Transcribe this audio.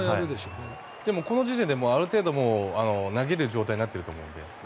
でも、この時点で投げる状態になっていると思うので。